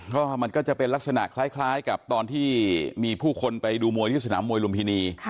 ก็มันก็จะเป็นลักษณะคล้ายกับตอนที่มีผู้คนไปดูมวยที่สนามมวยลุมพินี